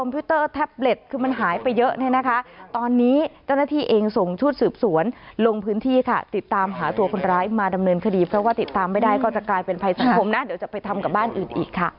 เพราะว่าติดตามไม่ได้ก็จะกลายเป็นภัยสังคมนะเดี๋ยวจะไปทำกับบ้านอื่นอีกค่ะ